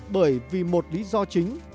bởi vì một lý do chính